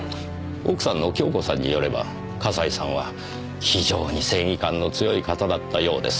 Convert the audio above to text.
奥さんの亨子さんによれば笠井さんは非常に正義感の強い方だったようです。